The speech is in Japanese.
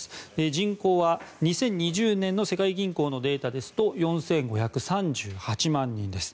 人口は２０２０年の世界銀行のデータですと４５３８万人です。